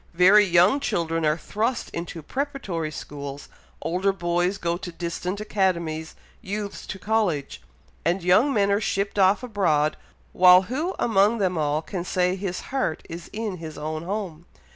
very young children are thrust into preparatory schools older boys go to distant academies youths to College and young men are shipped off abroad, while who among them all can say his heart is in his own home?